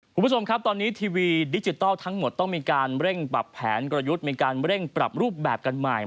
คุณผู้ชมครับตอนนี้ทีวีดิจิทัลทั้งหมดต้องมีการเร่งปรับแผนกลยุทธ์มีการเร่งปรับรูปแบบกันใหม่